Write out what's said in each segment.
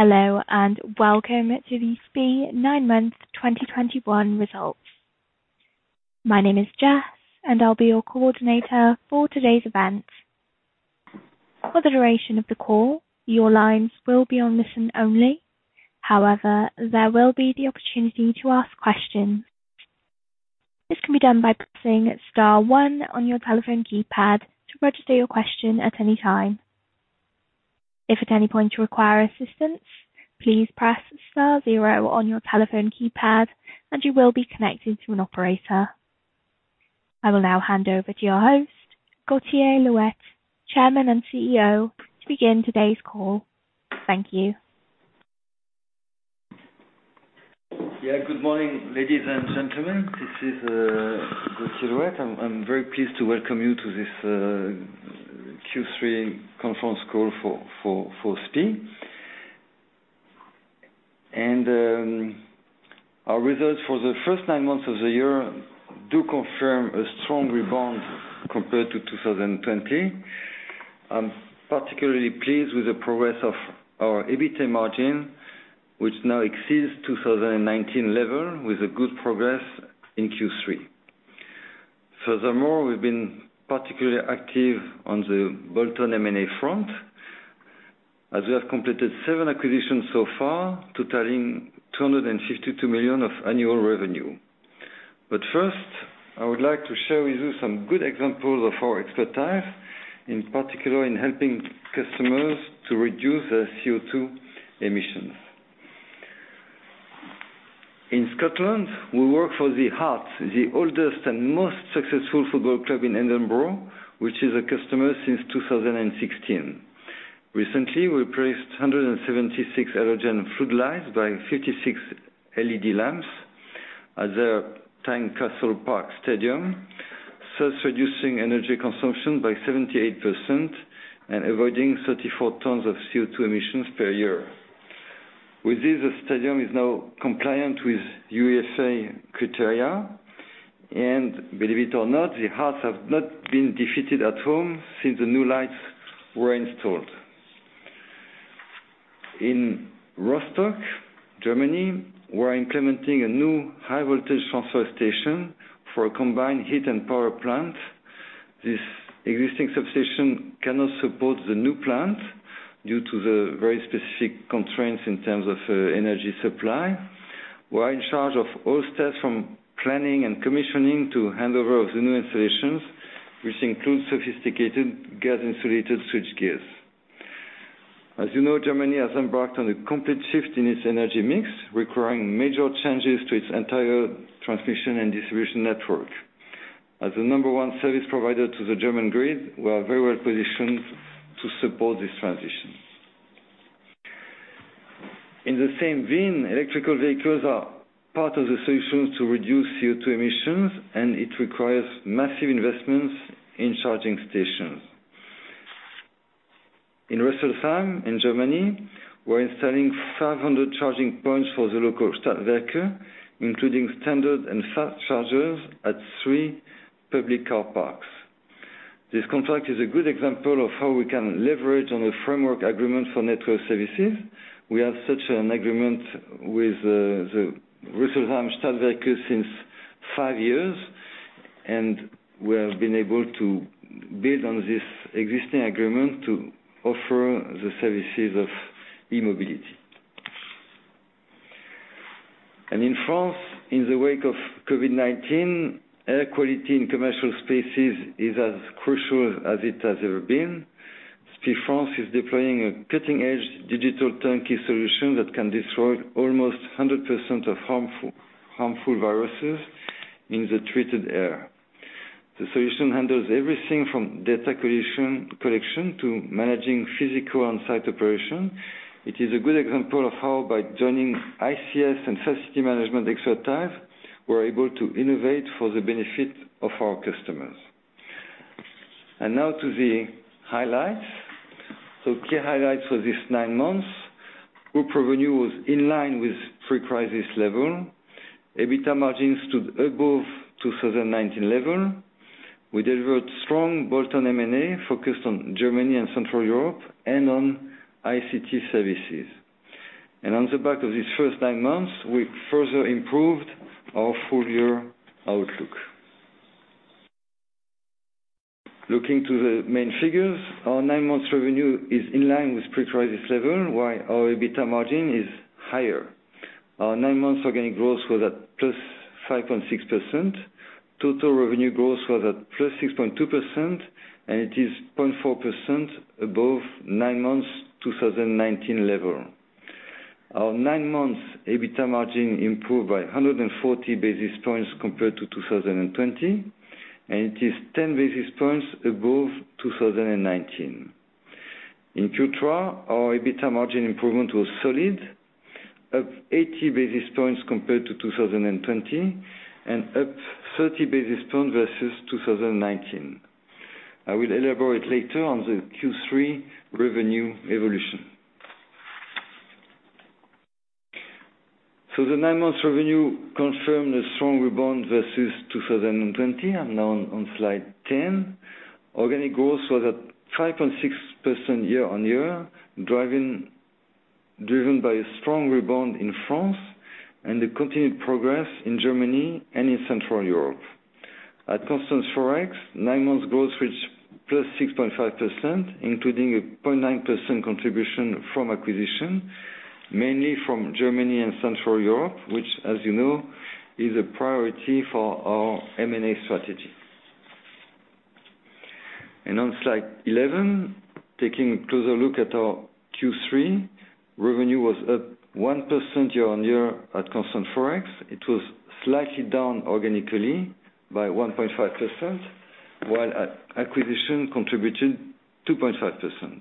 Hello, and welcome to the SPIE Nine Months 2021 Results. My name is Jess, and I'll be your coordinator for today's event. For the duration of the call, your lines will be on listen-only. However, there will be the opportunity to ask questions. This can be done by pressing star one on your telephone keypad to register your question at any time. If at any point you require assistance, please press star zero on your telephone keypad and you will be connected to an operator. I will now hand over to your host, Gauthier Louette, Chairman and CEO, to begin today's call. Thank you. Good morning, ladies and gentlemen. This is Gauthier Louette. I'm very pleased to welcome you to this Q3 conference call for SPIE. Our results for the first nine months of the year do confirm a strong rebound compared to 2020. I'm particularly pleased with the progress of our EBITDA margin, which now exceeds 2019 level with a good progress in Q3. Furthermore, we've been particularly active on the Bolt-on M&A front as we have completed seven acquisitions so far, totaling 252 million of annual revenue. First, I would like to share with you some good examples of our expertise, in particular in helping customers to reduce their CO2 emissions. In Scotland, we work for the Hearts, the oldest and most successful football club in Edinburgh, which is a customer since 2016. Recently, we replaced 176 halogen floodlights by 56 LED lamps at their Tynecastle Park stadium, thus reducing energy consumption by 78% and avoiding 34 tons of CO2 emissions per year. With this, the stadium is now compliant with UEFA criteria. Believe it or not, the Hearts have not been defeated at home since the new lights were installed. In Rostock, Germany, we're implementing a new high voltage transfer station for a combined heat and power plant. This existing substation cannot support the new plant due to the very specific constraints in terms of energy supply. We're in charge of all steps from planning and commissioning to handover of the new installations, which includes sophisticated gas-insulated switchgear. As you know, Germany has embarked on a complete shift in its energy mix, requiring major changes to its entire transmission and distribution network. As the number one service provider to the German grid, we are very well positioned to support this transition. In the same vein, electric vehicles are part of the solutions to reduce CO2 emissions, and it requires massive investments in charging stations. In Rüsselsheim, in Germany, we're installing 500 charging points for the local Stadtwerke, including standard and fast chargers at three public car parks. This contract is a good example of how we can leverage on a framework agreement for network services. We have such an agreement with the Stadtwerke Rüsselsheim since five years, and we have been able to build on this existing agreement to offer the services of e-mobility. In France, in the wake of COVID-19, air quality in commercial spaces is as crucial as it has ever been. SPIE France is deploying a cutting-edge digital turnkey solution that can destroy almost 100% of harmful viruses in the treated air. The solution handles everything from data collection to managing physical on-site operation. It is a good example of how by joining ICS and facility management expertise, we're able to innovate for the benefit of our customers. Now to the highlights. Key highlights for this nine months. Group revenue was in line with pre-crisis level. EBITDA margin stood above 2019 level. We delivered strong Bolt-on M&A focused on Germany and Central Europe and on ICT services. On the back of this first nine months, we further improved our full-year outlook. Looking to the main figures. Our nine months revenue is in line with pre-crisis level, while our EBITDA margin is higher. Our nine months organic growth was at +5.6%. Total revenue growth was at +6.2%, and it is 0.4% above nine months 2019 level. Our nine months EBITDA margin improved by 140 basis points compared to 2020, and it is 10 basis points above 2019. In Q3, our EBITA margin improvement was solid, up 80 basis points compared to 2020 and up 30 basis points versus 2019. I will elaborate later on the Q3 revenue evolution. The nine months revenue confirmed a strong rebound versus 2020. Now on slide 10. Organic growth was at 5.6% year-on-year, driven by a strong rebound in France and the continued progress in Germany and in Central Europe. At constant forex, nine months growth reached +6.5%, including a 0.9% contribution from acquisition, mainly from Germany and Central Europe, which as you know, is a priority for our M&A strategy. On slide 11, taking a closer look at our Q3, revenue was up 1% year-on-year at constant forex. It was slightly down organically by 1.5%, while acquisition contributed 2.5%.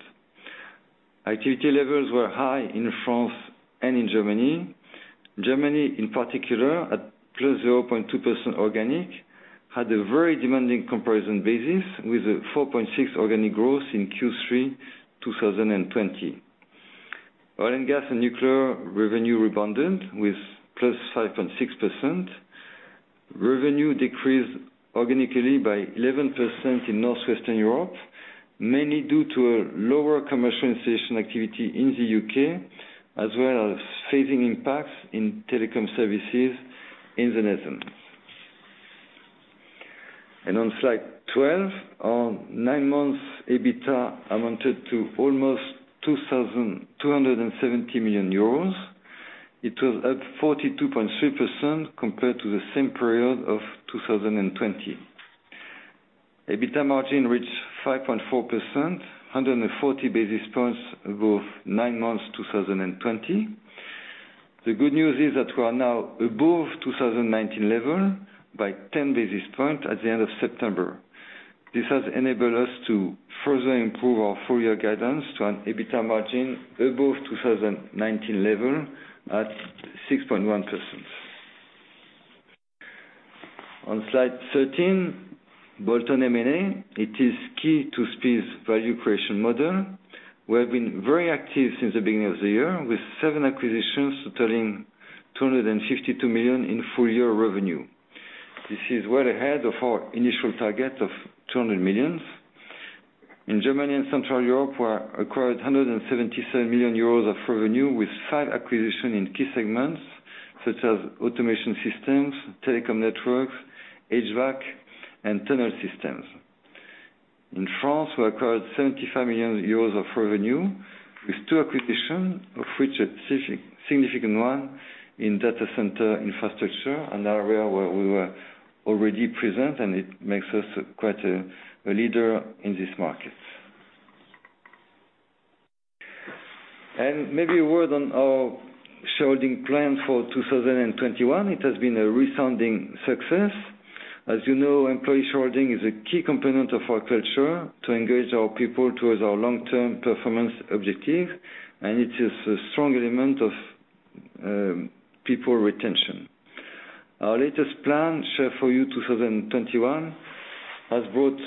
Activity levels were high in France and in Germany. Germany in particular, at +0.2% organic, had a very demanding comparison basis with a 4.6 organic growth in Q3 2020. Oil and gas and nuclear revenue rebounded with +5.6%. Revenue decreased organically by 11% in Northwestern Europe, mainly due to a lower commercial installation activity in the U.K., as well as phasing impacts in telecom services in the Netherlands. On slide 12, our nine months EBITDA amounted to almost 2,270 million euros. It was up 42.3% compared to the same period of 2020. EBITDA margin reached 5.4%, 140 basis points above nine months 2020. The good news is that we are now above 2019 level by 10 basis point at the end of September. This has enabled us to further improve our full year guidance to an EBITDA margin above 2019 level at 6.1%. On slide 13, Bolt-on M&A. It is key to SPIE's value creation model. We have been very active since the beginning of the year, with seven acquisitions totaling 252 million in full-year revenue. This is well ahead of our initial target of 200 million. In Germany and Central Europe, we acquired 177 million euros of revenue with five acquisitions in key segments such as automation systems, telecom networks, HVAC, and tunnel systems. In France, we acquired 75 million euros of revenue with two acquisitions, of which a significant one in data center infrastructure, an area where we were already present, and it makes us quite a leader in this market. Maybe a word on our sharing plan for 2021. It has been a resounding success. As you know, employee sharing is a key component of our culture to engage our people towards our long-term performance objective, and it is a strong element of people retention. Our latest plan [inaudible] share for you 2021, has brought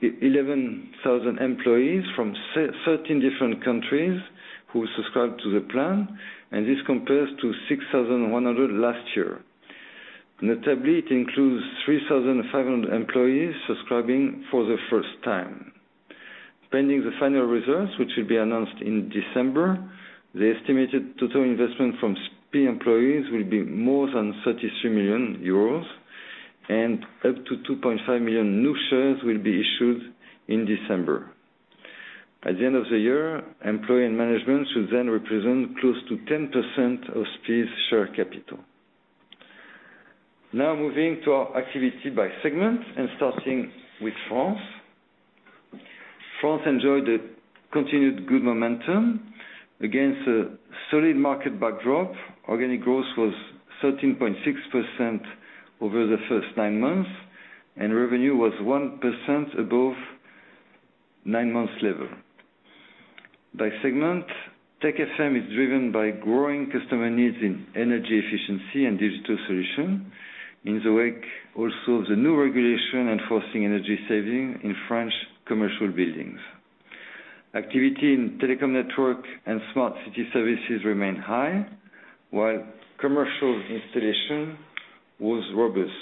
11,000 employees from 13 different countries who subscribed to the plan, and this compares to 6,100 last year. Notably, it includes 3,500 employees subscribing for the first time. Pending the final results, which will be announced in December, the estimated total investment from SPIE employees will be more than 33 million euros, and up to 2.5 million new shares will be issued in December. At the end of the year, employee and management should then represent close to 10% of SPIE's share capital. Now moving to our activity by segment, and starting with France. France enjoyed a continued good momentum. Against a solid market backdrop, organic growth was 13.6% over the first 9 months, and revenue was 1% above nine months level. By segment, TechFM is driven by growing customer needs in energy efficiency and digital solution in the wake of also the new regulation enforcing energy saving in French commercial buildings. Activity in telecom network and smart city services remained high, while commercial installation was robust.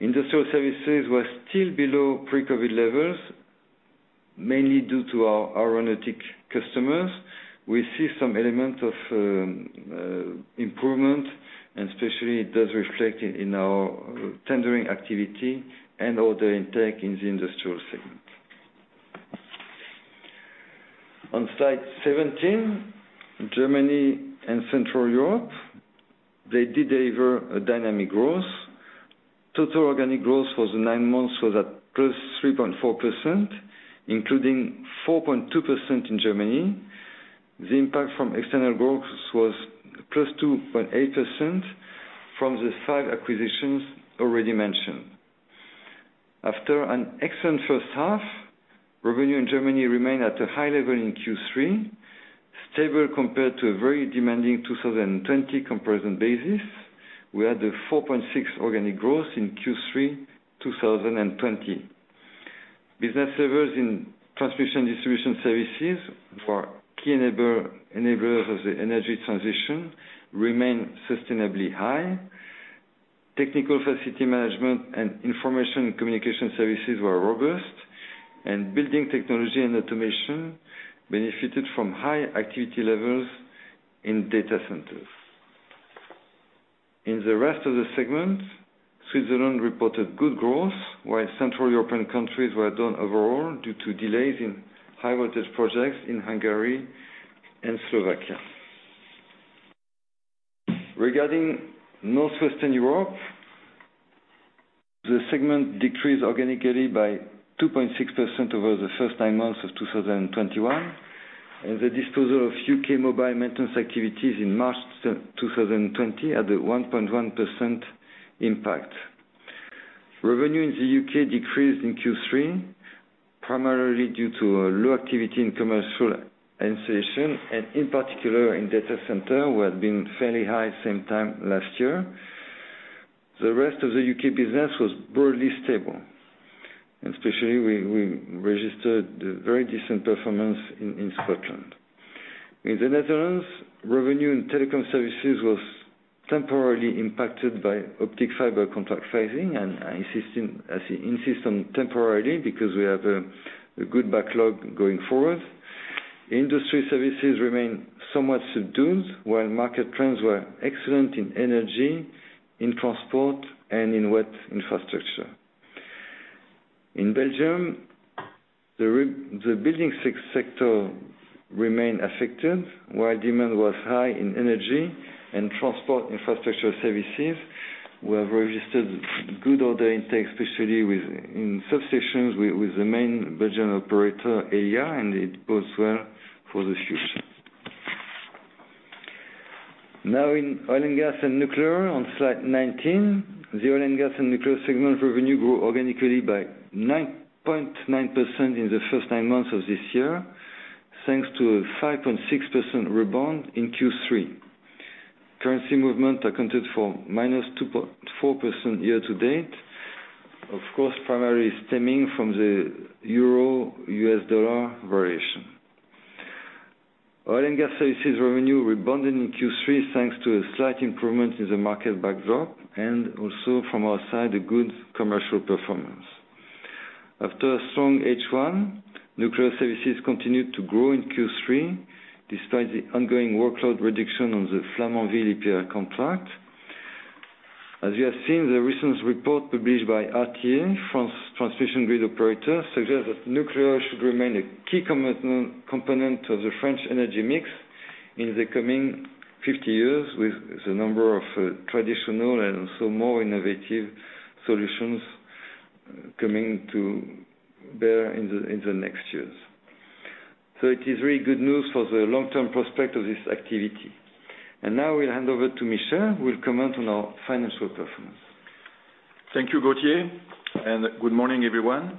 Industrial services were still below pre-COVID levels, mainly due to our aeronautic customers. We see some element of improvement, and especially it does reflect in our tendering activity and order intake in the industrial segment. On slide 17, Germany and Central Europe, they did deliver a dynamic growth. Total organic growth for the nine months was at +3.4%, including 4.2% in Germany. The impact from external growth was +2.8% from the five acquisitions already mentioned. After an excellent first half, revenue in Germany remained at a high level in Q3, stable compared to a very demanding 2020 comparison basis, where the 4.6% organic growth in Q3 2020. Business services in transmission and distribution services for key enablers of the energy transition remain sustainably high. Technical Facility Management and Information Communication Services were robust, and building technology and automation benefited from high activity levels in data centers. In the rest of the segment, Switzerland reported good growth, while Central European countries were down overall due to delays in high-voltage projects in Hungary and Slovakia. Regarding Northwestern Europe, the segment decreased organically by 2.6% over the first nine months of 2021, and the disposal of U.K. mobile maintenance activities in March 2020 had a 1.1% impact. Revenue in the U.K. decreased in Q3, primarily due to a low activity in commercial and solution and in particular in data center, where had been fairly high same time last year. The rest of the U.K. business was broadly stable, especially we registered a very decent performance in Scotland. In the Netherlands, revenue in telecom services was temporarily impacted by optical fiber contract phasing and I insist on temporarily because we have a good backlog going forward. Industry services remain somewhat subdued, while market trends were excellent in energy, transport, and wet infrastructure. In Belgium, the building sector remained affected, while demand was high in energy and transport infrastructure services. We have registered good order intake, especially in substations with the main Belgian operator, Elia, and it bodes well for the future. Now, in oil and gas and nuclear on slide 19. The oil and gas and nuclear segment revenue grew organically by 9.9% in the first nine months of this year, thanks to a 5.6% rebound in Q3. Currency movement accounted for -2.4% year to date, of course, primarily stemming from the euro-U.S. dollar variation. Oil and gas services revenue rebounded in Q3 thanks to a slight improvement in the market backdrop and also from our side, a good commercial performance. After a strong H1, nuclear services continued to grow in Q3 despite the ongoing workload reduction on the Flamanville EPR contract. As you have seen, the recent report published by RTE, France's transmission grid operator, suggests that nuclear should remain a key component of the French energy mix in the coming 50 years, with the number of traditional and also more innovative solutions coming to bear in the next years. It is really good news for the long-term prospect of this activity. Now we'll hand over to Michel, who will comment on our financial performance. Thank you, Gauthier, and good morning, everyone.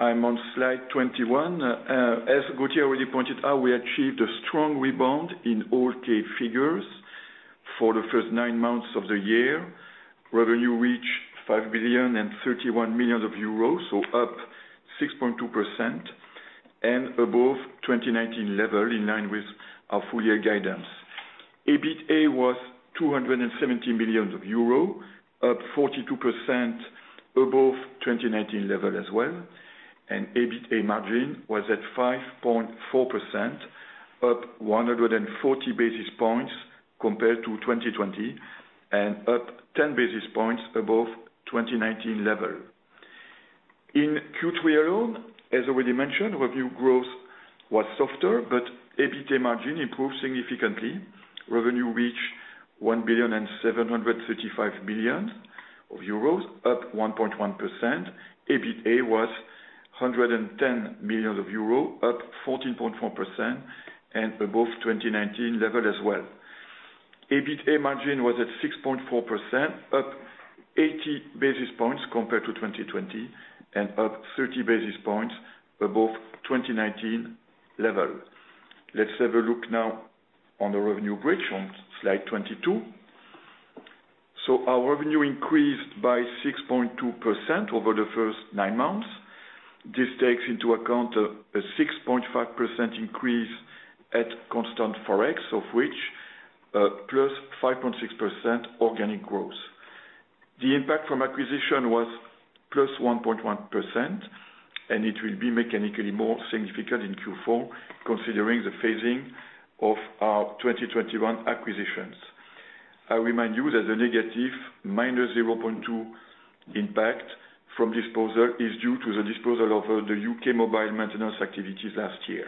I'm on slide 21. As Gauthier already pointed out, we achieved a strong rebound in all key figures. For the first 9 months of the year, revenue reached EUR 5.031 billion, up 6.2% and above 2019 level in line with our full year guidance. EBITA was 270 million euro, up 42% above 2019 level as well. EBITA margin was at 5.4%, up 140 basis points compared to 2020 and up 10 basis points above 2019 level. In Q3 alone, as already mentioned, revenue growth was softer, but EBITA margin improved significantly. Revenue reached 1.735 billion, up 1.1%. EBITA was 110 million euros, up 14.4% and above 2019 level as well. EBITA margin was at 6.4%, up 80 basis points compared to 2020 and up 30 basis points above 2019 level. Let's have a look now on the revenue bridge on slide 22. Our revenue increased by 6.2% over the first nine months. This takes into account a 6.5% increase at constant forex, of which plus 5.6% organic growth. The impact from acquisition was +1.1%, and it will be mechanically more significant in Q4 considering the phasing of our 2021 acquisitions. I remind you that the negative -0.2 impact from disposal is due to the disposal of the U.K. mobile maintenance activities last year.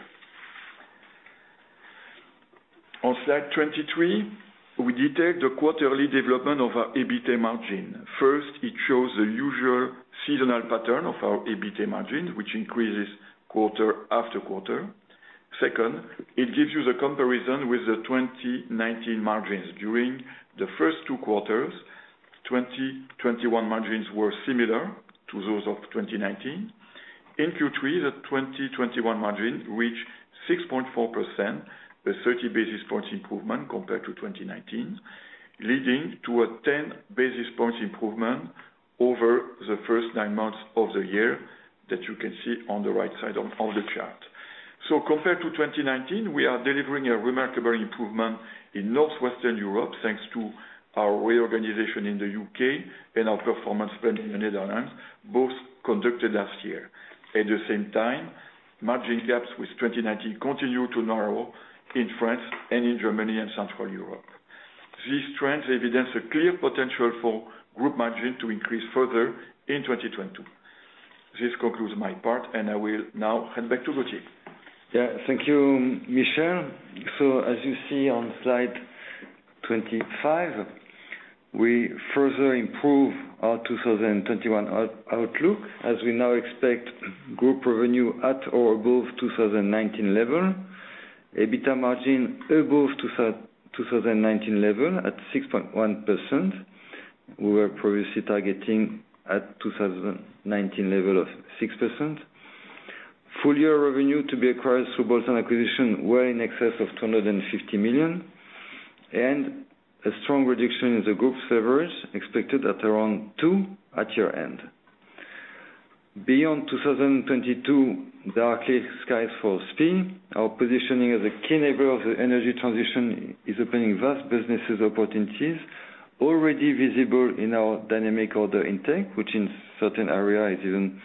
On slide 23, we detect the quarterly development of our EBITA margin. First, it shows the usual seasonal pattern of our EBITA margin, which increases quarter-after-quarter. Second, it gives you the comparison with the 2019 margins. During the first two quarters, 2021 margins were similar to those of 2019. In Q3, the 2021 margin reached 6.4% with 30 basis points improvement compared to 2019, leading to a 10 basis points improvement over the first nine months of the year that you can see on the right side of the chart. Compared to 2019, we are delivering a remarkable improvement in Northwestern Europe, thanks to our reorganization in the U.K. and our performance spend in the Netherlands, both conducted last year. At the same time, margin gaps with 2019 continue to narrow in France and in Germany and Central Europe. These trends evidence a clear potential for group margin to increase further in 2022. This concludes my part, and I will now hand back to Gauthier. Yeah, thank you, Michel. As you see on slide 25, we further improve our 2021 outlook as we now expect group revenue at or above 2019 level. EBITA margin above 2019 level at 6.1%. We were previously targeting at 2019 level of 6%. Full year revenue to be acquired through both acquisitions were in excess of 250 million and a strong reduction in the group severance expected at around 200 at year-end. Beyond 2022, darker skies for SPIE. Our positioning as a key neighbor of the energy transition is opening vast business opportunities already visible in our dynamic order intake, which in certain areas is in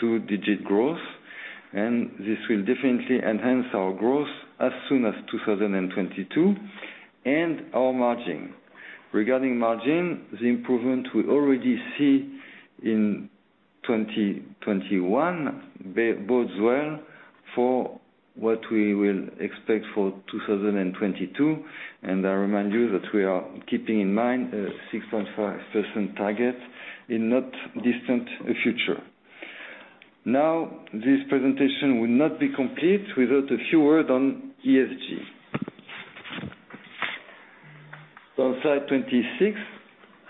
two-digit growth. This will definitely enhance our growth as soon as 2022 and our margin. Regarding margin, the improvement we already see in 2021 bodes well for what we will expect for 2022. I remind you that we are keeping in mind a 6.5% target in not distant future. Now this presentation will not be complete without a few words on ESG. On slide 26.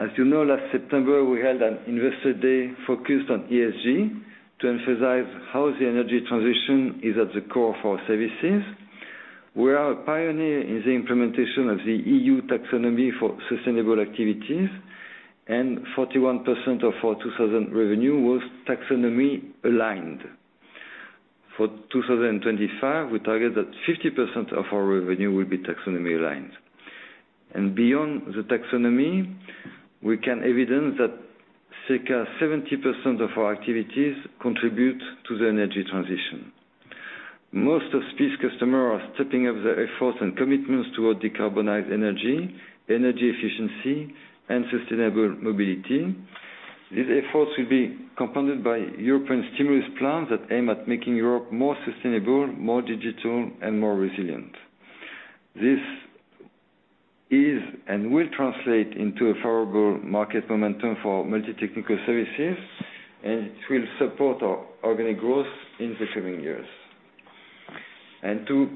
As you know, last September we held an investor day focused on ESG to emphasize how the energy transition is at the core of our services. We are a pioneer in the implementation of the EU taxonomy for sustainable activities, and 41% of our 2020 revenue was taxonomy aligned. For 2025, we target that 50% of our revenue will be taxonomy aligned. Beyond the taxonomy, we can evidence that circa 70% of our activities contribute to the energy transition. Most of SPIE's customers are stepping up their efforts and commitments towards decarbonized energy efficiency and sustainable mobility. These efforts will be compounded by European stimulus plans that aim at making Europe more sustainable, more digital and more resilient. This is and will translate into a favorable market momentum for multi-technical services, and it will support our organic growth in the coming years. To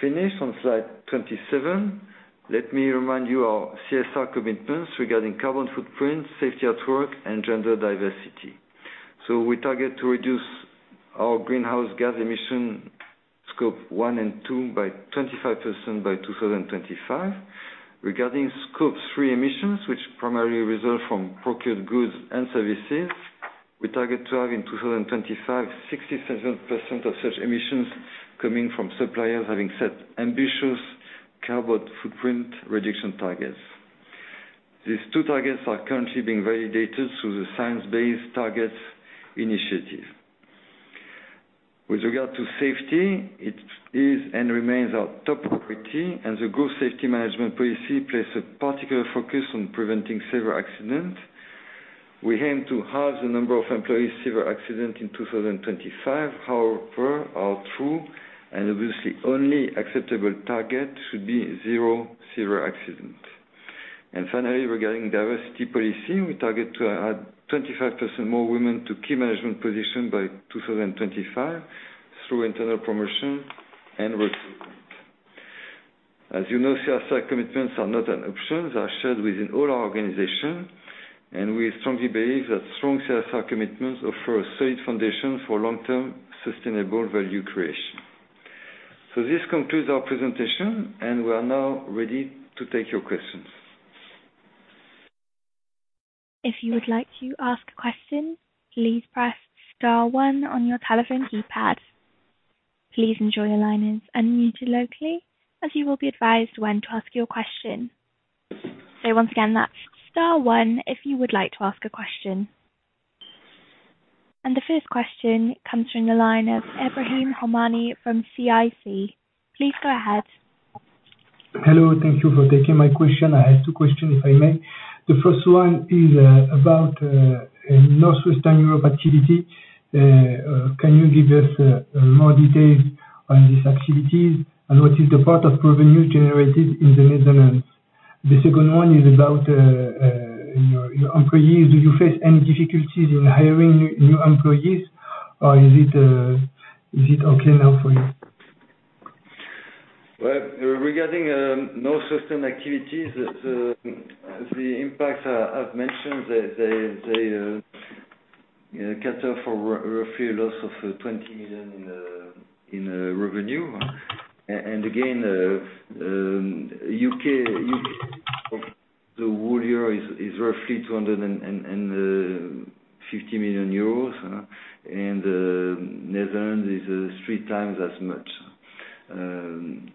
finish on slide 27, let me remind you our CSR commitments regarding carbon footprint, safety at work, and gender diversity. We target to reduce our greenhouse gas emission Scope 1 and 2 by 25% by 2025. Regarding Scope 3 emissions, which primarily result from procured goods and services, we target to have in 2025, 67% of such emissions coming from suppliers having set ambitious carbon footprint reduction targets. These two targets are currently being validated through the Science Based Targets initiative. With regard to safety, it is and remains our top priority, and the group safety management policy places a particular focus on preventing severe accidents. We aim to halve the number of employee severe accidents in 2025. However, our true and obviously only acceptable target should be zero severe accidents. Finally, regarding diversity policy, we target to add 25% more women to key management positions by 2025 through internal promotion and recruitment. As you know, CSR commitments are not an option, they are shared within all our organization. We strongly believe that strong CSR commitments offer a solid foundation for long-term sustainable value creation. This concludes our presentation, and we are now ready to take your questions. If you would like to ask a question, please press star one on your telephone keypad. Please note your line is unmuted as you will be advised when to ask your question. Once again, that's star one if you would like to ask a question. The first question comes from the line of Ebrahim Homani from CIC. Please go ahead. Hello. Thank you for taking my question. I have two questions, if I may. The first one is about the activity in Northwestern Europe. Can you give us more details on these activities and what is the part of revenue generated in the Netherlands? The second one is about your employees. Do you face any difficulties in hiring new employees or is it okay now for you? Well, regarding Northwestern activities, the impact I've mentioned, they cut off for roughly a loss of 20 million in revenue. In the U.K. the whole year is roughly 250 million euros, and the Netherlands is three times as much. Well,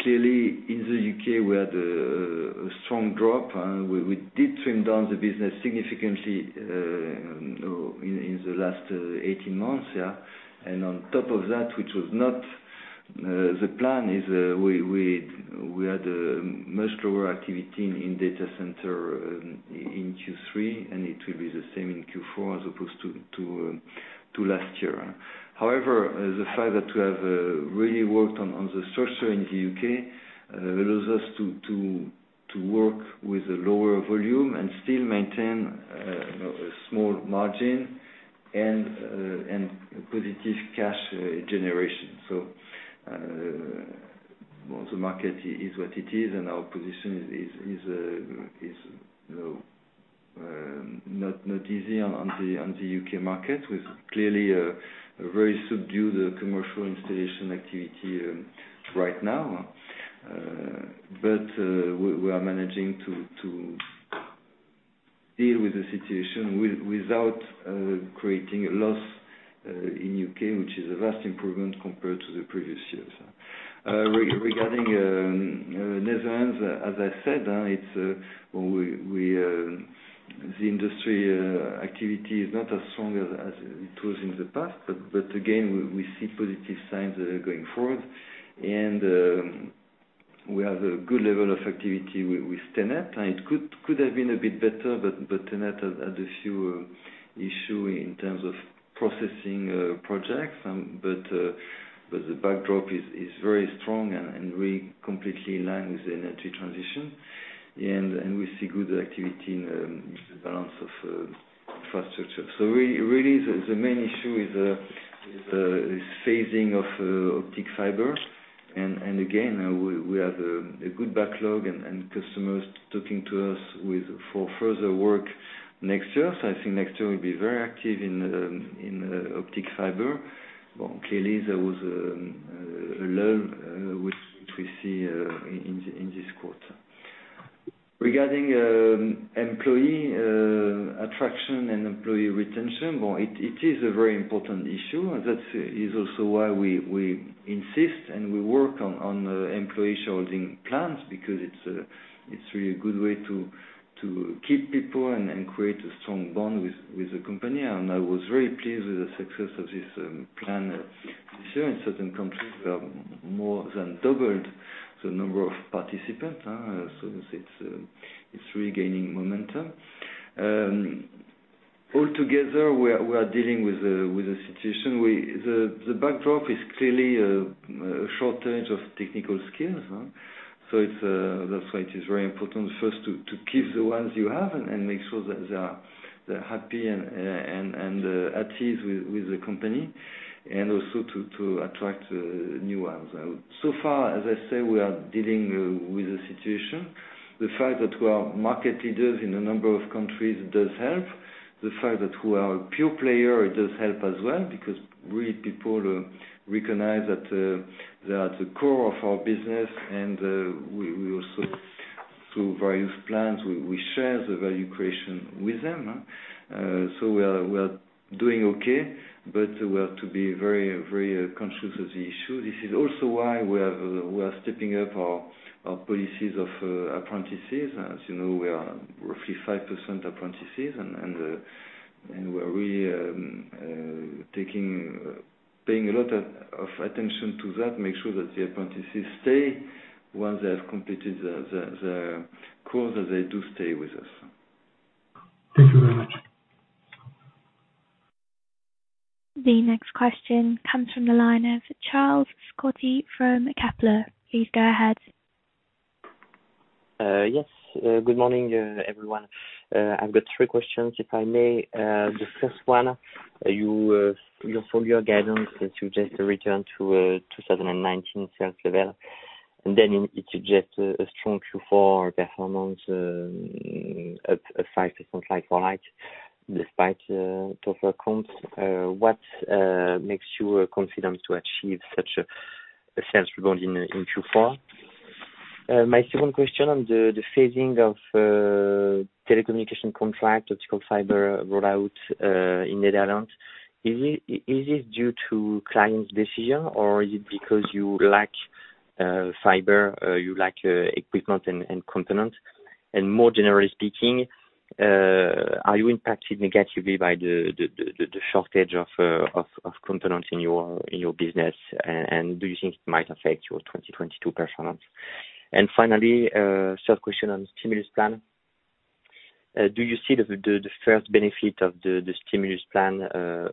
clearly in the U.K. we had a strong drop and we did trim down the business significantly in the last 18 months, yeah. On top of that, which was not the plan, we had much lower activity in data center in Q3, and it will be the same in Q4 as opposed to last year. However, the fact that we have really worked on the structure in the U.K. allows us to work with a lower volume and still maintain you know a small margin and positive cash generation. Well, the market is what it is, and our position is you know not easy on the U.K. market, with clearly a very subdued commercial installation activity right now. We are managing to deal with the situation without creating a loss in U.K., which is a vast improvement compared to the previous years. Regarding Netherlands, as I said, it's the industry activity is not as strong as it was in the past, but again, we see positive signs going forward and we have a good level of activity with TenneT. It could have been a bit better, but TenneT had a few issues in terms of processing projects, but the backdrop is very strong and we completely align with the energy transition and we see good activity in the balance of infrastructure. Really the main issue is phasing of optic fiber. Again, we have a good backlog and customers talking to us for further work next year. I think next year will be very active in optic fiber. Clearly there was a lull which we see in this quarter. Regarding employee attraction and employee retention, well, it is a very important issue. That is also why we insist and we work on employee sharing plans because it's really a good way to keep people and create a strong bond with the company. I was very pleased with the success of this plan this year. In certain countries, we have more than doubled the number of participants, so it's really gaining momentum. All together, we are dealing with a situation where the backdrop is clearly a shortage of technical skills. That's why it is very important first to keep the ones you have and make sure that they're happy and at ease with the company, and also to attract new ones. So far, as I say, we are dealing with the situation. The fact that we are market leaders in a number of countries does help. The fact that we are a pure player, it does help as well, because really people recognize that they are at the core of our business and we also through various plans we share the value creation with them. We are doing okay, but we have to be very conscious of the issue. This is also why we are stepping up our policies of apprentices. As you know, we are roughly 5% apprentices and we're really paying a lot of attention to that, make sure that the apprentices stay once they have completed the course, that they do stay with us. Thank you very much. The next question comes from the line of Charles-Louis Scotti from Kepler. Please go ahead. Yes. Good morning, everyone. I've got three questions, if I may. The first one, your full-year guidance suggests a return to 2019 sales level, and then it suggests a strong Q4 performance, up 5% like for like, despite tougher comps. What makes you confident to achieve such a sales growth in Q4? My second question on the phasing of telecommunication contract, optical fiber rollout in Netherlands. Is this due to clients' decision or is it because you lack fiber, you lack equipment and components? More generally speaking, are you impacted negatively by the shortage of components in your business? Do you think it might affect your 2022 performance? Finally, third question on stimulus plan. Do you see the first benefit of the stimulus plan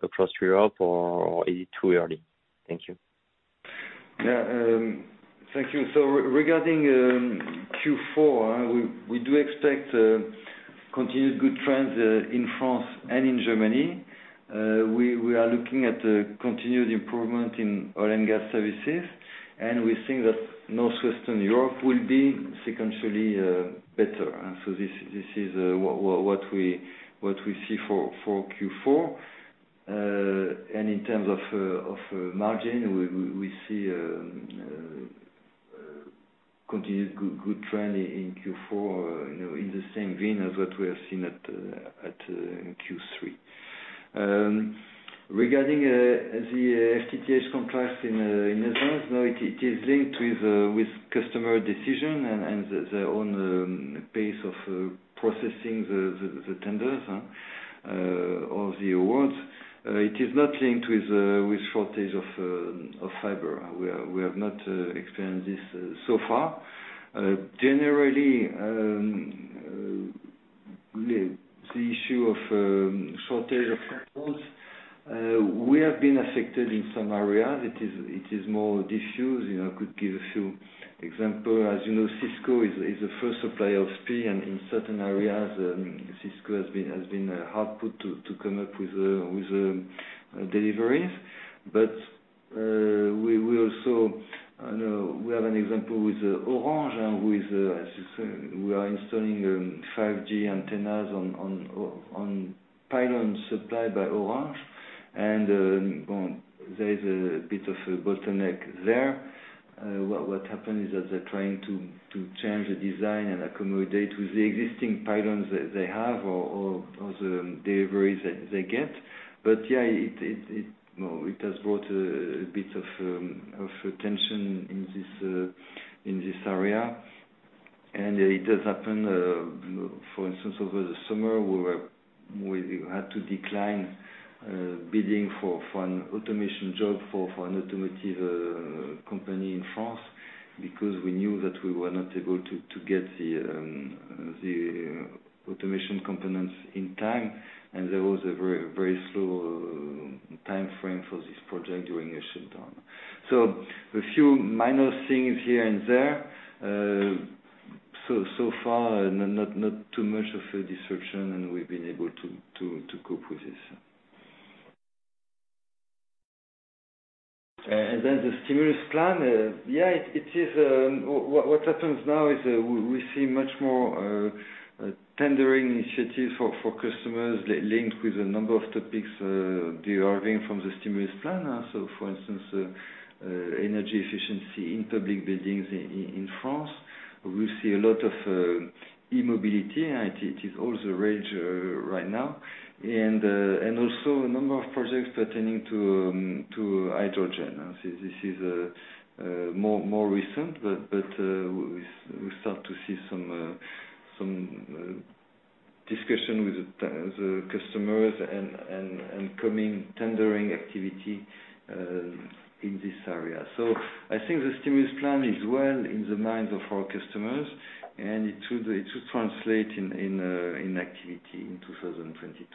across Europe, or is it too early? Thank you. Yeah. Thank you. Regarding Q4, we do expect continued good trends in France and in Germany. We are looking at continued improvement in oil and gas services, and we think that Northwestern Europe will be sequentially better. This is what we see for Q4. In terms of margin, we see continued good trend in Q4, you know, in the same vein as what we have seen in Q3. Regarding the FTTH contracts, in essence, now it is linked with customer decision and their own pace of processing the tenders or the awards. It is not linked with shortage of fiber. We have not experienced this so far. Generally, the issue of shortage of components, we have been affected in some areas. It is more diffuse. You know, I could give a few example. As you know, Cisco is the first supplier of SPIE, and in certain areas, Cisco has been hard put to come up with deliveries. We also, I know we have an example with Orange and with, as you say, we are installing 5G antennas on pylons supplied by Orange. There is a bit of a bottleneck there. What happened is that they're trying to change the design and accommodate with the existing pylons that they have or the deliveries that they get. Yeah, it has brought a bit of tension in this area. It does happen, for instance, over the summer, we had to decline bidding for an automation job for an automotive company in France because we knew that we were not able to get the automation components in time, and there was a very slow timeframe for this project during a shutdown. A few minor things here and there. So far, not too much of a disruption, and we've been able to cope with this. The stimulus plan, yeah, it is. What happens now is, we see much more tendering initiatives for customers linked with a number of topics deriving from the stimulus plan. For instance, energy efficiency in public buildings in France. We see a lot of e-mobility. It is all the rage right now, and also a number of projects pertaining to hydrogen. This is more recent, but we start to see some discussion with the customers and coming tendering activity in this area. I think the stimulus plan is well in the minds of our customers, and it will translate in activity in 2022.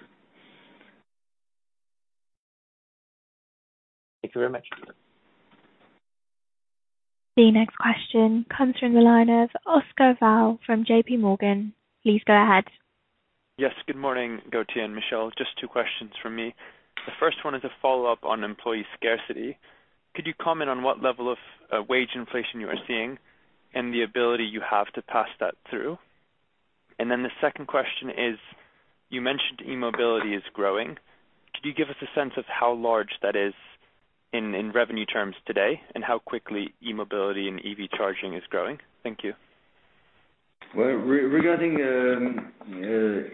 Thank you very much. The next question comes from the line of Oscar Val from JPMorgan. Please go ahead. Yes. Good morning, Gauthier and Michel. Just two questions from me. The first one is a follow-up on employee scarcity. Could you comment on what level of wage inflation you are seeing and the ability you have to pass that through? The second question is, you mentioned e-mobility is growing. Could you give us a sense of how large that is in revenue terms today, and how quickly e-mobility and EV charging is growing? Thank you. Well, regarding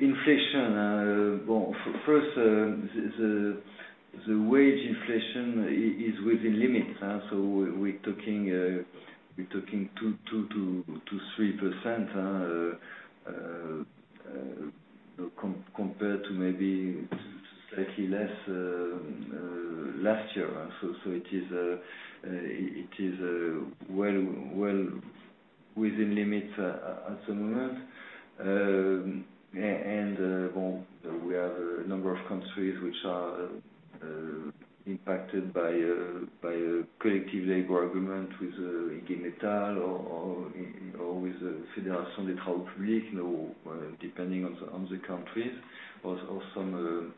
inflation, well, first, the wage inflation is within limits, so we're talking 2%-3% compared to maybe slightly less last year. It is well within limits at the moment. And well, we have a number of countries which are impacted by a collective labor agreement with IG Metall or with the Fédération Nationale des Travaux Publics, you know, depending on the countries, or some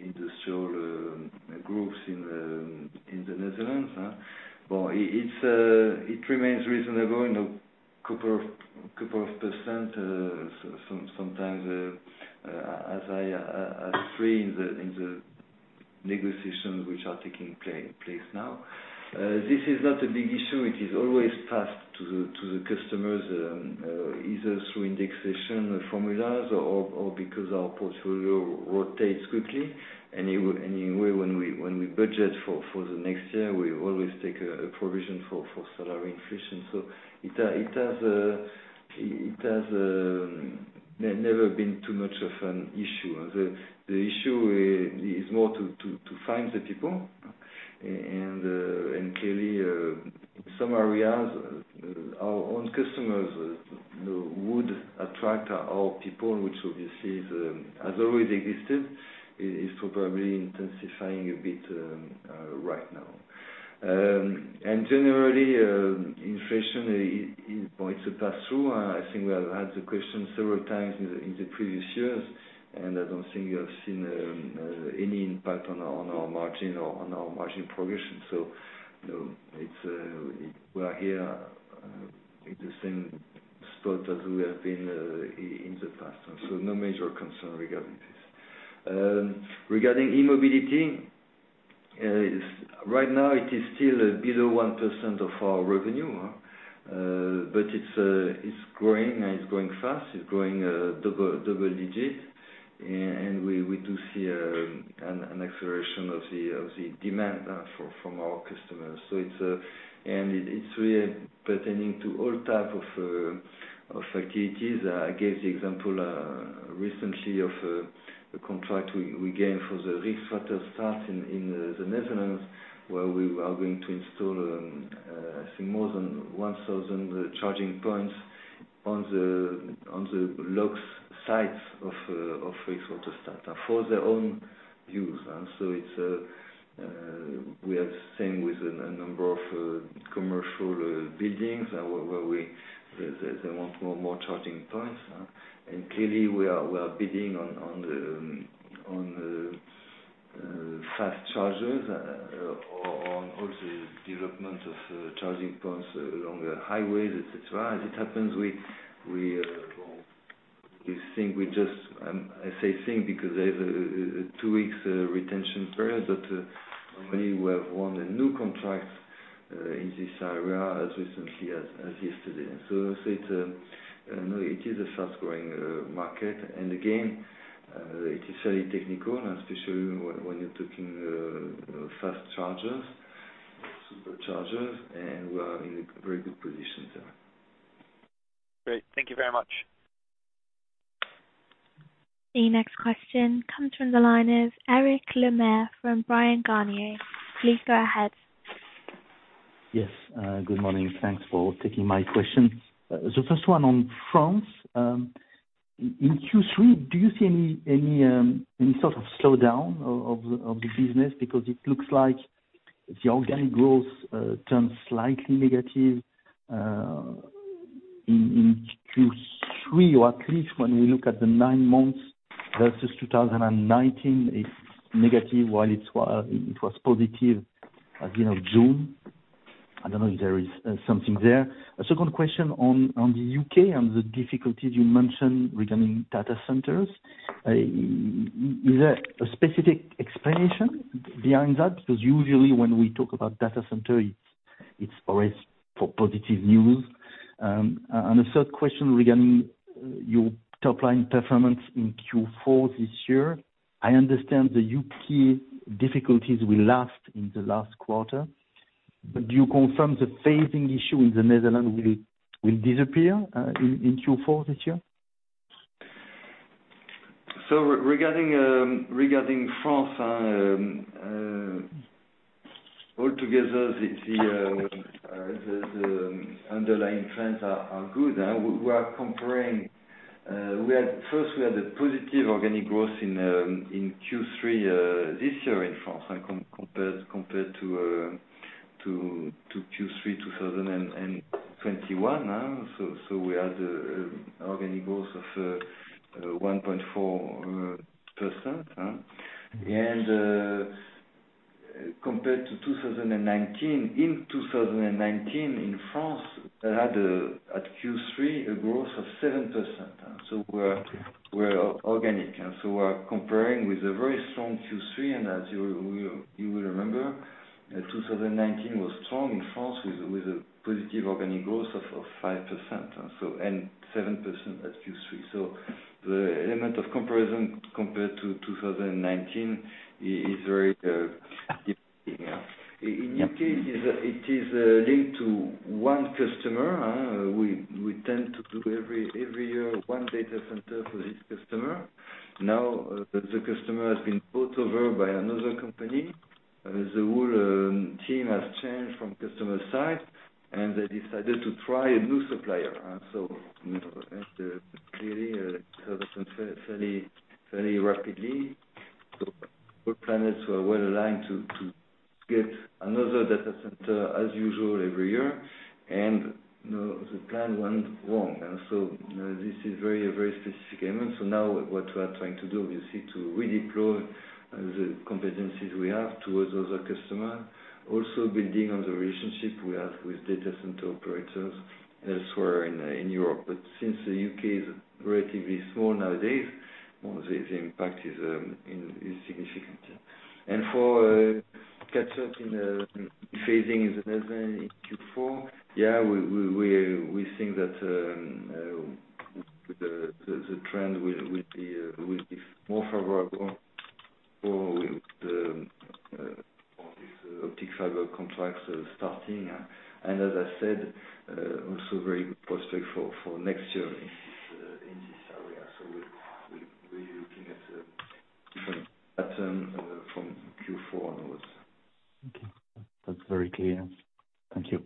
industrial groups in the Netherlands. It's reasonable in a couple of percent, so sometimes as I screen in the negotiations which are taking place now. This is not a big issue. It is always passed to the customers either through indexation formulas or because our portfolio rotates quickly. Anyway, when we budget for the next year, we always take a provision for salary inflation. It has never been too much of an issue. The issue is more to find the people. Clearly, in some areas, our own customers, you know, would attract our people, which obviously has always existed, is probably intensifying a bit right now. Generally, inflation impacts to pass through. I think we have had the question several times in the previous years, and I don't think you have seen any impact on our margin or on our margin progression. You know, we are here in the same spot as we have been in the past, so no major concern regarding this. Regarding e-mobility, right now it is still below 1% of our revenue, but it's growing, and it's growing fast. It's growing double-digit. We do see an acceleration of the demand from our customers. It's really pertaining to all type of activities. I gave the example recently of a contract we gained for the Rijkswaterstaat in the Netherlands, where we are going to install, I think, more than 1,000 charging points on the lock sites of Rijkswaterstaat for their own use. We are seeing with a number of commercial buildings where they want more charging points. Clearly, we are bidding on fast chargers or on all the development of charging points along the highways, et cetera. As it happens, well, we think we just, I say, think because they have a two weeks retention period, but normally, we have won new contracts in this area as recently as yesterday. I would say it's, you know, it is a fast-growing market. Again, it is very technical, and especially when you're talking fast chargers, superchargers, and we are in a very good position there. Great. Thank you very much. The next question comes from the line of Eric Lemarié from Bryan, Garnier & Co. Please go ahead. Yes. Good morning. Thanks for taking my question. The first one on France. In Q3, do you see any sort of slowdown of the business? Because it looks like the organic growth turned slightly negative in Q3, or at least when we look at the nine months versus 2019, it's negative, while it was positive as of June. I don't know if there is something there. A second question on the U.K. and the difficulties you mentioned regarding data centers. Is there a specific explanation behind that? Because usually when we talk about data center, it's always for positive news. A third question regarding your top line performance in Q4 this year. I understand the U.K. difficulties will last in the last quarter. Do you confirm the phasing issue in the Netherlands will disappear in Q4 this year? Regarding France, altogether the underlying trends are good. We are comparing. First, we had a positive organic growth in Q3 this year in France compared to Q3 2021. We had organic growth of 1.4%. Compared to 2019, in 2019 in France, we had at Q3 a growth of 7%. We're organic. We're comparing with a very strong Q3. As you'll remember, 2019 was strong in France with a positive organic growth of 5%, so and 7% at Q3. The element of comparison compared to 2019 is very different. Yeah. In U.K., it is linked to one customer. We tend to do every year one data center for this customer. Now, the customer has been bought over by another company, and the whole team has changed from customer side, and they decided to try a new supplier. You know, clearly, it happens very rapidly. Our plans were well-aligned to get another data center as usual every year. You know, the plan went wrong. You know, this is a very specific element. Now what we are trying to do, obviously, to redeploy the competencies we have towards other customer. Also building on the relationship we have with data center operators elsewhere in Europe. Since the U.K. is relatively small nowadays, well, the impact is significant, yeah. For catch up in the phasing in the Netherlands in Q4, we think that the trend will be more favorable for this optical fiber contracts starting. As I said, also very good prospect for next year in this area. We're really looking at a different pattern from Q4 onwards. Okay. That's very clear. Thank you.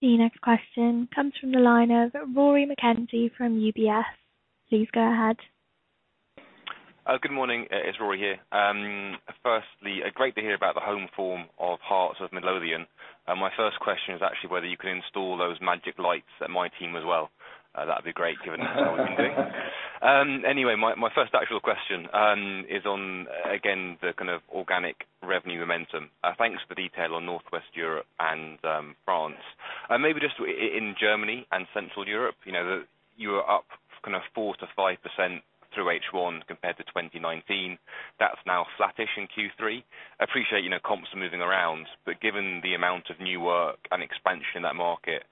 The next question comes from the line of Rory McKenzie from UBS. Please go ahead. Good morning. It's Rory here. Firstly, great to hear about the home form of Heart of Midlothian. My first question is actually whether all those magic lights that my team as well, that'd be great given what we've been doing. Anyway, my first actual question is on, again, the kind of organic revenue momentum. Thanks for the detail on Northwest Europe and France. Maybe just in Germany and Central Europe, you know, you were up kind of 4%-5% through H1 compared to 2019. That's now flattish in Q3. I appreciate, you know, comps are moving around, but given the amount of new work and expansion in that market,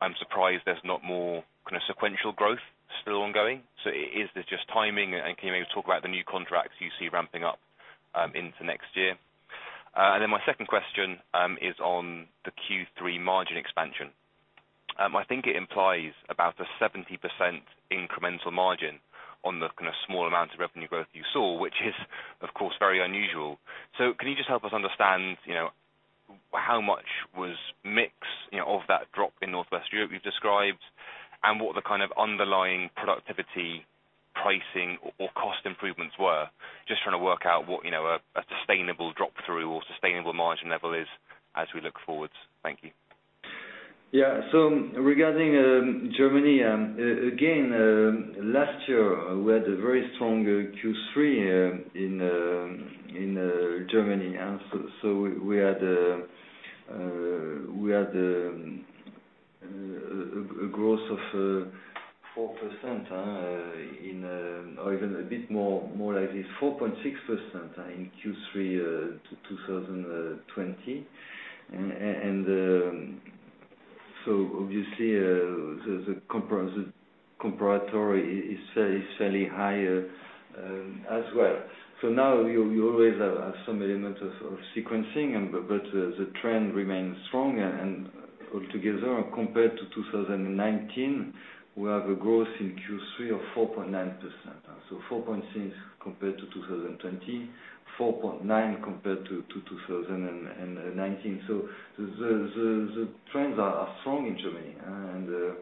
I'm surprised there's not more kind of sequential growth still ongoing. Is this just timing, and can you maybe talk about the new contracts you see ramping up into next year? My second question is on the Q3 margin expansion. I think it implies about a 70% incremental margin on the kind of small amounts of revenue growth you saw, which is of course very unusual. Can you just help us understand, you know, how much was mix, you know, of that drop in Northwest Europe you've described, and what the kind of underlying productivity pricing or cost improvements were? Just trying to work out what, you know, a sustainable drop through or sustainable margin level is as we look forwards. Thank you. Regarding Germany, again, last year we had a very strong Q3 in Germany. We had a growth of 4%, or even a bit more, more like 4.6% in Q3 2020. Obviously, the comparator is fairly high as well. Now you always have some elements of sequencing, but the trend remains strong. Altogether, compared to 2019, we have a growth in Q3 of 4.9%. 4.6% compared to 2020, 4.9% compared to 2019. The trends are strong in Germany and that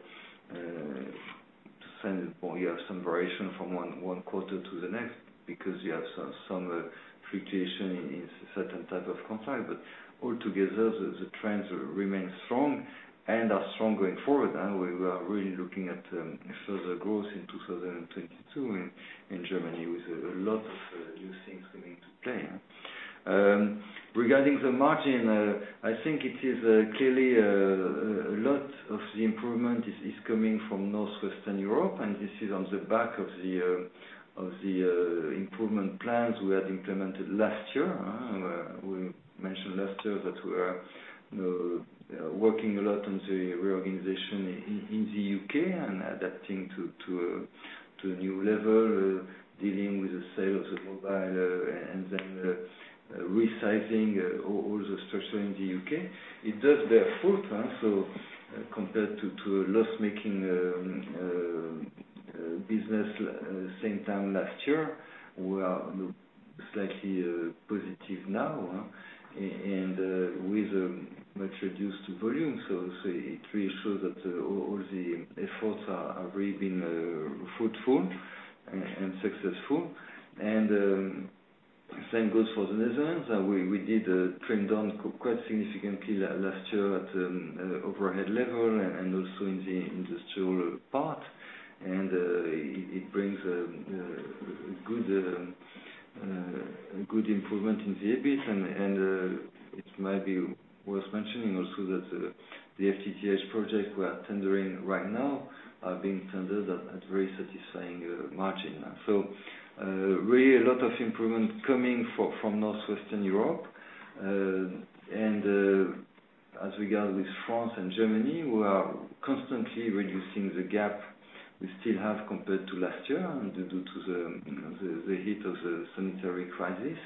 said, you have some variation from one quarter to the next because you have some fluctuation in certain type of contract. Altogether the trends remain strong and are strong going forward. We are really looking at further growth in 2022 in Germany with a lot of new things coming into play. Regarding the margin, I think it is clearly a lot of the improvement is coming from Northwestern Europe, and this is on the back of the improvement plans we had implemented last year, where we mentioned last year that we are working a lot on the reorganization in the U.K. and adapting to a new level, dealing with the sales of mobile, and then resizing all the structure in the U.K. It does their full time. Compared to a loss-making business same time last year, we are slightly positive now, and with much reduced volume. It really shows that all the efforts have really been fruitful and successful. Same goes for the Netherlands. We did trim down quite significantly last year at overhead level and also in the industrial part. It brings a good improvement in the EBIT. It might be worth mentioning also that the FTTH project we are tendering right now are being tendered at very satisfying margin. Really a lot of improvement coming from Northwestern Europe. As we go with France and Germany, we are constantly reducing the gap we still have compared to last year and due to the heat of the sanitary crisis.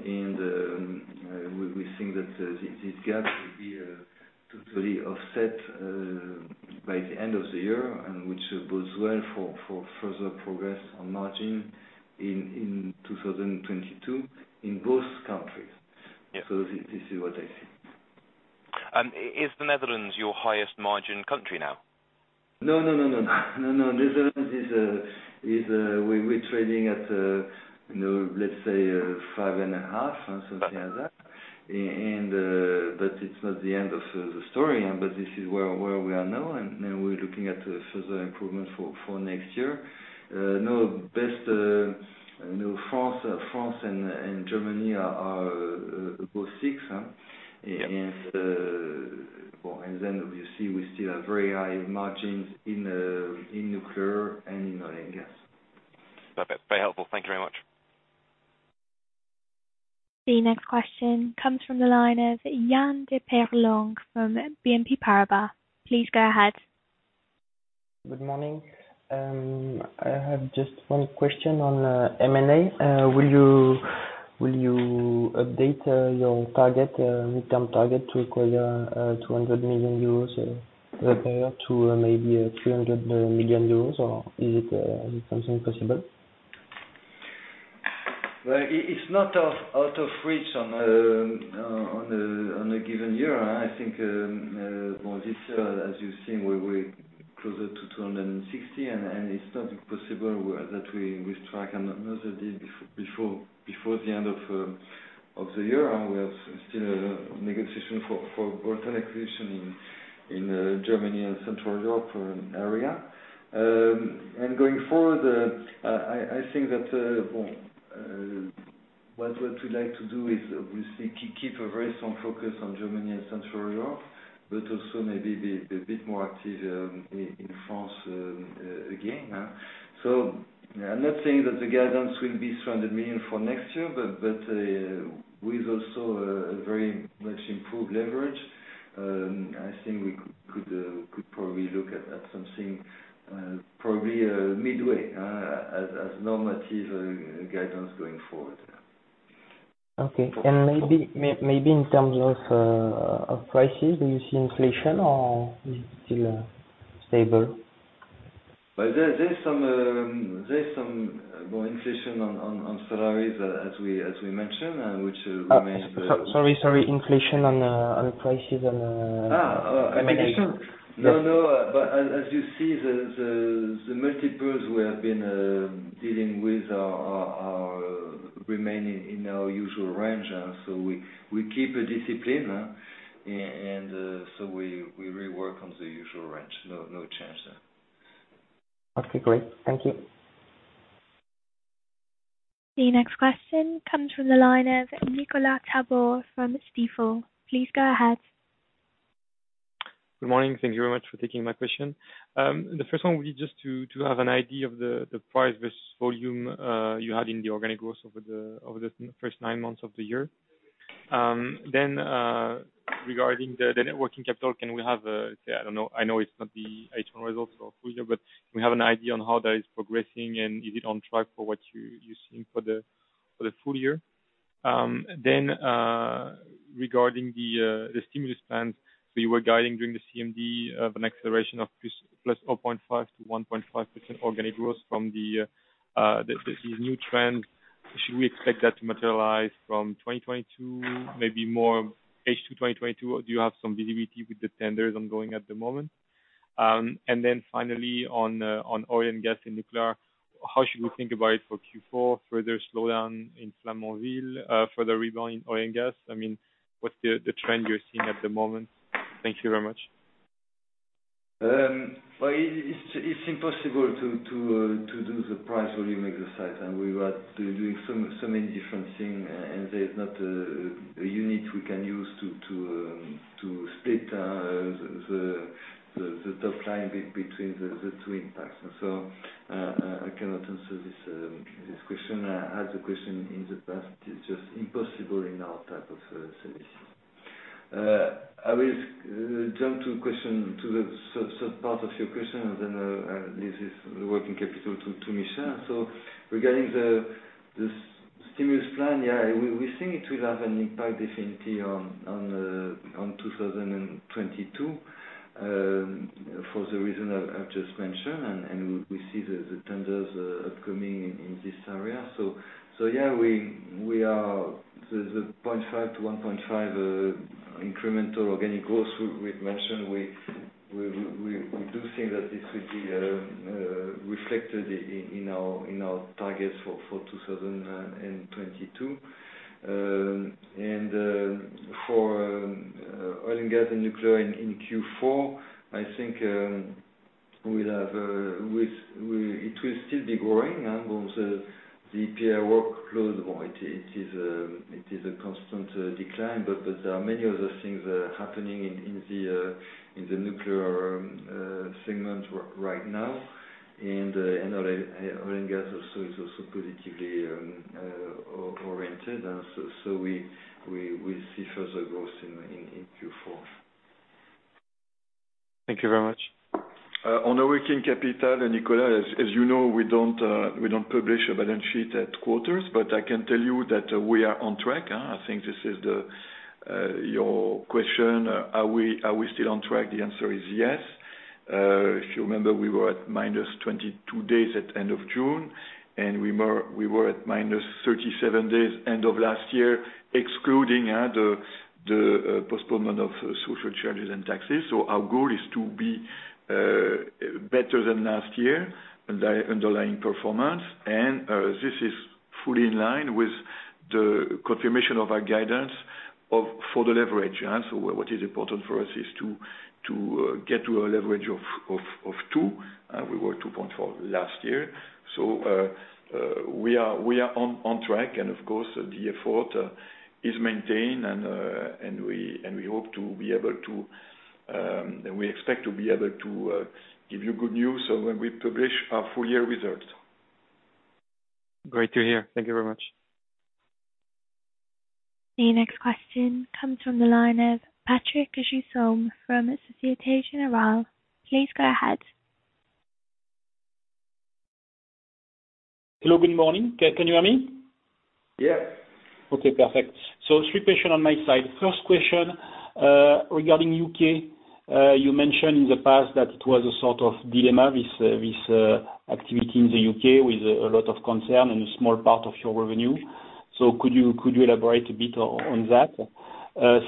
We think that this gap will be totally offset by the end of the year, which bodes well for further progress on margin in 2022 in both countries. Yeah. This is what I see. Is the Netherlands your highest margin country now? No. Netherlands is we're trading at, you know, let's say, 5.5 or something like that. But it's not the end of the story, but this is where we are now, and we're looking at further improvement for next year. No best, no France and Germany are above six. Yeah. Obviously we still have very high margins in nuclear and in oil and gas. Perfect. Very helpful. Thank you very much. The next question comes from the line of Jan de Peirlack from BNP Paribas. Please go ahead. Good morning. I have just one question on M&A. Will you update your midterm target to acquire 200 million euros per year to maybe 300 million euros, or is it something possible? Well, it's not out of reach in a given year. I think, well, this year, as you've seen, we were closer to 260, and it's possible that we strike another deal before the end of the year. We still have a negotiation for Britain acquisition in Germany and Central Europe area. Going forward, I think that what we'd like to do is obviously keep a very strong focus on Germany and Central Europe, but also maybe be a bit more active in France again. I'm not saying that the guidance will be 200 million for next year, but with also a very much improved leverage, I think we could probably look at something probably midway as normative guidance going forward, yeah. Okay. Maybe in terms of prices, do you see inflation or is it still stable? Well, there's some more inflation on salaries as we mentioned, which remains- Sorry. Inflation on prices. No, no. As you see, the multiples we have been dealing with are remaining in our usual range. We keep a discipline, and so we really work on the usual range. No, no change there. Okay, great. Thank you. The next question comes from the line of Nicolas Tabor from Stifel. Please go ahead. Good morning. Thank you very much for taking my question. The first one will be just to have an idea of the price versus volume you had in the organic growth over the first nine months of the year. Then, regarding the net working capital, can we have, say I don't know, I know it's not the H1 results for full year, but we have an idea on how that is progressing and is it on track for what you're seeing for the full year? Then, regarding the stimulus plans, you were guiding during the CMD of an acceleration of +0.5%-1.5% organic growth from the new trend. Should we expect that to materialize from 2022, maybe more H2 2022? Or do you have some visibility with the tenders ongoing at the moment? And then finally on oil and gas and nuclear, how should we think about it for Q4, further slowdown in Flamanville, further rebound in oil and gas? I mean, what's the trend you're seeing at the moment? Thank you very much. Well, it's impossible to do the price volume exercise, and we were doing so many different things, and there's not a unit we can use to split the top line between the two impacts. I cannot answer this question. I had the question in the past. It's just impossible in our type of service. I will jump to the second part of your question and then, this is the working capital to Michel. Regarding the stimulus plan, yeah, we think it will have an impact definitely on 2022, for the reason I've just mentioned. We see the tenders upcoming in this area. We are the 0.5%-1.5% incremental organic growth we've mentioned. We do think that this will be reflected in our targets for 2022. For oil and gas and nuclear in Q4, I think, we'll have it will still be growing on the EPR workload. Well, it is a constant decline, but there are many other things happening in the nuclear segment right now. Oil and gas also is positively oriented. We see further growth in Q4. Thank you very much. On our working capital, Nicolas, as you know, we don't publish a balance sheet at quarters, but I can tell you that we are on track. I think this is your question. Are we still on track? The answer is yes. If you remember, we were at minus 22 days at end of June, and we were at minus 37 days end of last year, excluding the postponement of social charges and taxes. Our goal is to be better than last year underlying performance. This is fully in line with the confirmation of our guidance for the leverage. What is important for us is to get to a leverage of two. We were 2.4 last year. We are on track and of course the effort is maintained and we expect to be able to give you good news when we publish our full year results. Great to hear. Thank you very much. The next question comes from the line of Patrick Jousseaume from Société Générale. Please go ahead. Hello, good morning. Can you hear me? Yeah. Okay, perfect. Three questions on my side. First question, regarding U.K., you mentioned in the past that it was a sort of dilemma with activity in the U.K. with a lot of concern and a small part of your revenue. Could you elaborate a bit on that?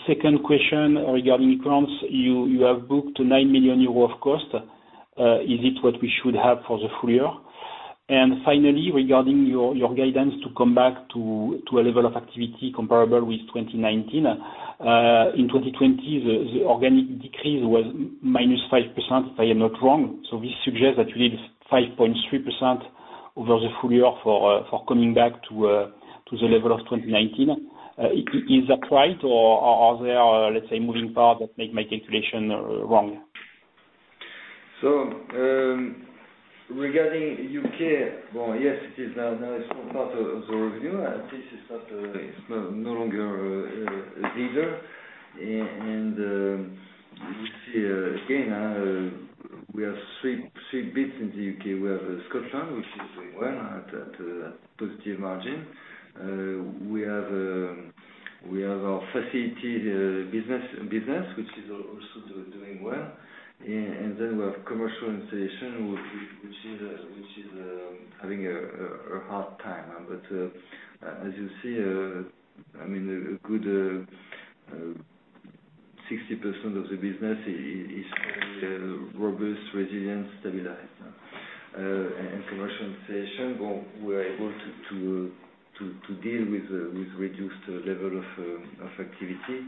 Second question regarding France. You have booked 9 million euros of cost. Is it what we should have for the full year? Finally, regarding your guidance to come back to a level of activity comparable with 2019, in 2020, the organic decrease was -5%, if I am not wrong. This suggests that you need 5.3% over the full year for coming back to the level of 2019. Is that right, or are there, let's say, moving parts that make my calculation wrong? Regarding U.K., well, yes, it is now a small part of the revenue, and this is not, it's no longer a leader. We see again we have three bits in the U.K. We have Scotland, which is doing well at positive margin. We have our facility business which is also doing well. We have commercial installation which is having a hard time. As you see, I mean, a good 60% of the business is very robust, resilient, stabilized. Commercial installation, well, we're able to deal with reduced level of activity.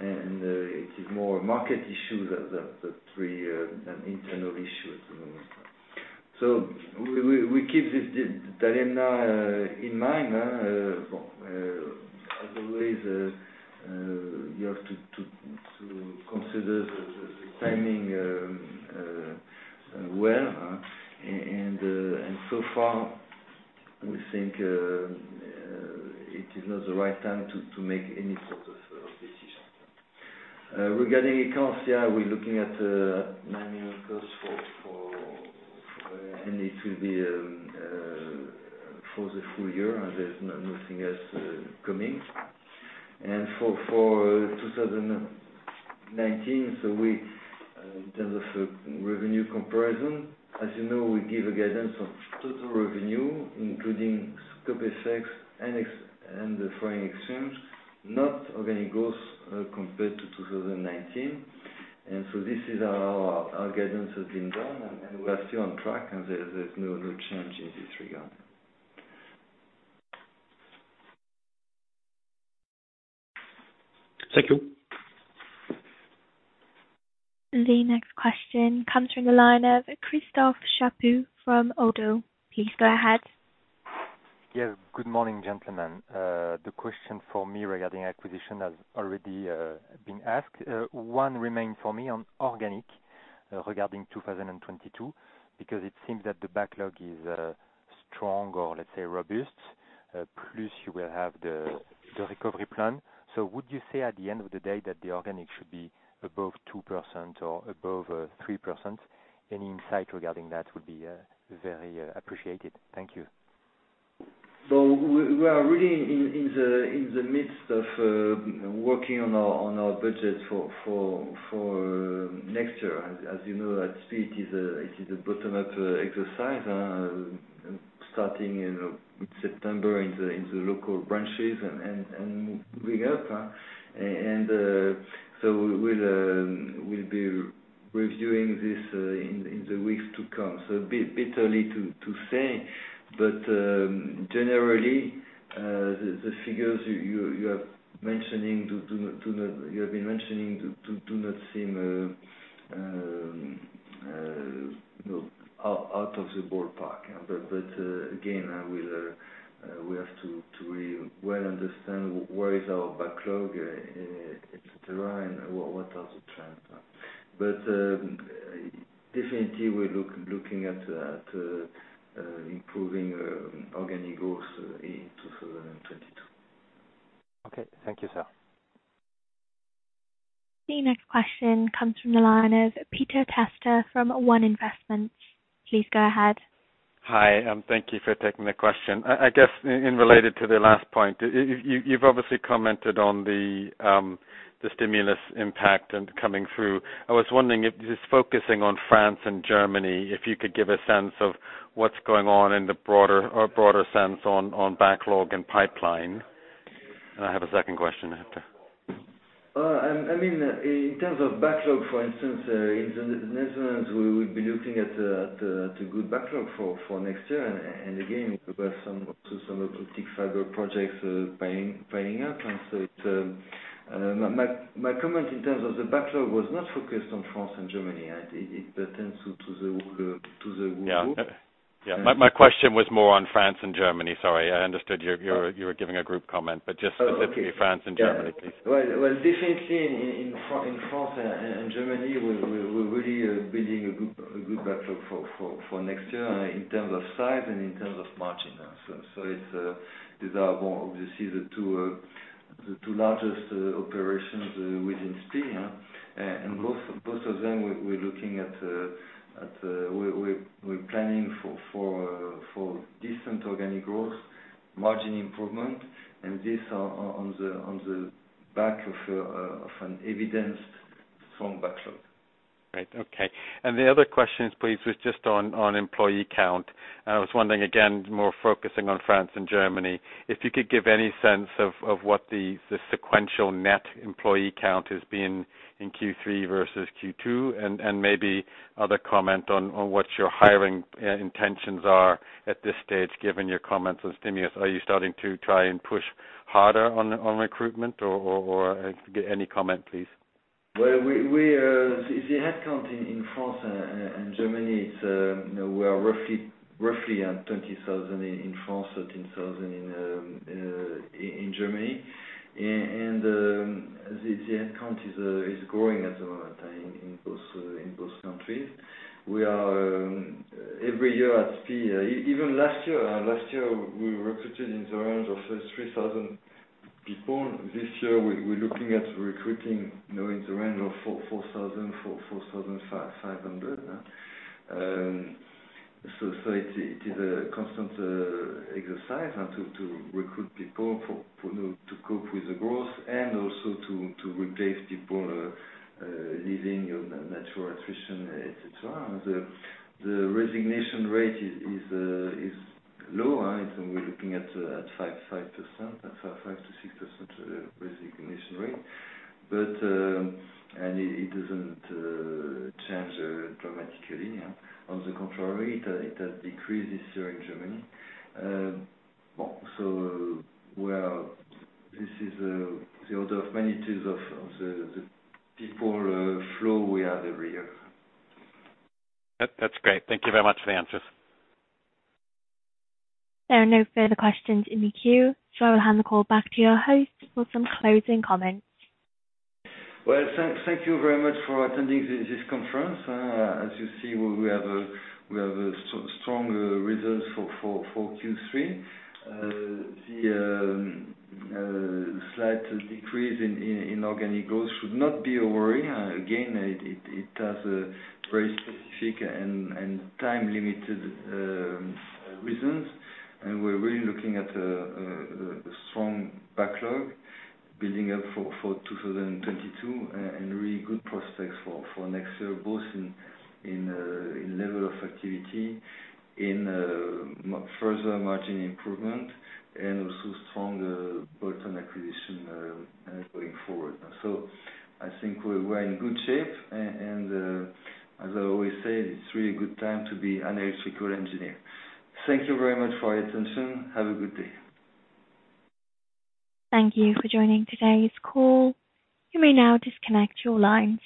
It is more a market issue than an internal issue at the moment. We keep this dilemma in mind, as always, you have to consider the timing, well, and so far, we think it is not the right time to make any sort of decision. Regarding France, yeah, we're looking at EUR 9 million costs, and it will be for the full year, and there's nothing else coming. For 2019, in terms of revenue comparison, as you know, we give a guidance of total revenue, including scope effects and the foreign exchange, not organic growth, compared to 2019. This is our guidance has been done, and we are still on track, and there's no change in this regard. Thank you. The next question comes from the line of Christophe Chaput from Oddo. Please go ahead. Yes. Good morning, gentlemen. The question for me regarding acquisition has already been asked. One remains for me on organic, regarding 2022, because it seems that the backlog is strong or let's say robust, plus you will have the recovery plan. Would you say at the end of the day that the organic should be above 2% or above 3%? Any insight regarding that would be very appreciated. Thank you. We are really in the midst of working on our budget for next year. As you know, at SPIE it is a bottom-up exercise starting in September in the local branches, and we'll be reviewing this in the weeks to come. A bit early to say, but generally, the figures you have mentioned do not seem, you know, out of the ballpark. But again, we have to really understand where is our backlog, et cetera, and what are the trends. Definitely, we're looking at improving organic growth in 2022. Okay. Thank you, sir. The next question comes from the line of Peter Testa from One Investments. Please go ahead. Hi, thank you for taking the question. I guess in relation to the last point, you've obviously commented on the stimulus impact and coming through. I was wondering if, just focusing on France and Germany, if you could give a sense of what's going on in the broader sense on backlog and pipeline. I have a second question after. I mean, in terms of backlog, for instance, in the Netherlands, we would be looking at a good backlog for next year. We have some also some optical fiber projects panning out. My comment in terms of the backlog was not focused on France and Germany. It pertains to the group. Yeah. My question was more on France and Germany. Sorry. I understood you were giving a group comment, but just specifically France and Germany, please. Well, definitely in France and Germany, we're really building a good backlog for next year in terms of size and in terms of margin. These are more obviously the two largest operations within SPIE, and both of them, we're planning for decent organic growth, margin improvement, and this on the back of an evidenced strong backlog. Right. Okay. The other question, please, was just on employee count. I was wondering again, more focusing on France and Germany, if you could give any sense of what the sequential net employee count has been in Q3 versus Q2, and maybe other comment on what your hiring intentions are at this stage, given your comments on stimulus. Are you starting to try and push harder on recruitment or any comment, please? Well, the headcount in France and Germany, you know, we're roughly at 20,000 in France, 13,000 in Germany. The headcount is growing at the moment in both countries. We are every year at SPIE. Even last year we recruited in the range of 3,000 people. This year we're looking at recruiting, you know, in the range of 4,000-4,500. It is a constant exercise to recruit people, you know, to cope with the growth and also to replace people leaving, you know, natural attrition, et cetera. The resignation rate is low, and we're looking at 5%. That's our 5%-6% resignation rate. It doesn't change dramatically. On the contrary, it has decreased this year in Germany. This is the order of magnitude of the people flow we have every year. That's great. Thank you very much for the answers. There are no further questions in the queue, so I will hand the call back to your host for some closing comments. Well, thank you very much for attending this conference. As you see, we have a strong results for Q3. The slight decrease in organic growth should not be a worry. Again, it has a very specific and time limited reasons. We're really looking at a strong backlog building up for 2022, and really good prospects for next year, both in level of activity, in further margin improvement and also stronger bolt-on acquisition, going forward. I think we're in good shape. As I always say, it's really a good time to be an electrical engineer. Thank you very much for your attention. Have a good day. Thank you for joining today's call. You may now disconnect your line.